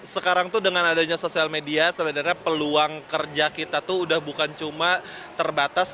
sekarang dengan adanya sosial media peluang kerja kita sudah bukan cuma terbatas